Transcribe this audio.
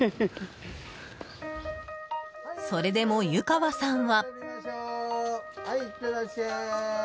それでも湯川さんは。